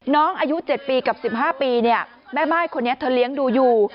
น้องอายุ๗ปีกับ๑๕ปีแม่ม่ายคนนี้เธอเลี้ยงดูอยู่